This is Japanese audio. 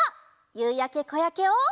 「ゆうやけこやけ」を。